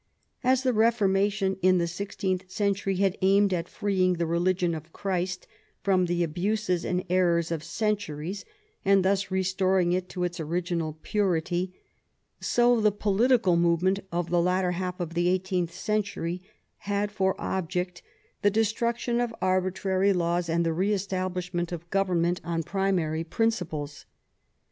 As the Reformation in the sixteenth century had aimed at freeing the religion of Christ from the abuses and errors of centuries, and thus restoring it to its original purity, so the political movement of the latter half of the eighteenth century had for object the destruction of arbitrary laws and the re establish ment of government on primary principles.